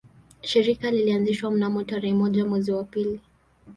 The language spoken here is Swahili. Shirika lilianzishwa mnamo tarehe moja mwezi wa pili